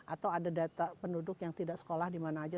atau ada data penduduk yang tidak sekolah dimana aja